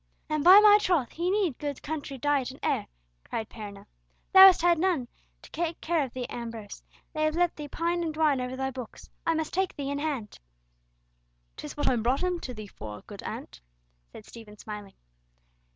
"And by my troth, he needs good country diet and air!" cried Perronel. "Thou hast had none to take care of thee, Ambrose. They have let thee pine and dwine over thy books. I must take thee in hand." "'Tis what I brought him to thee for, good aunt," said Stephen, smiling.